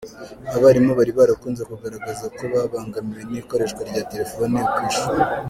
Abarimu bari barakunze kugaragaza ko babangamiwe n’ikoreshwa rya telefoni ku ishuri.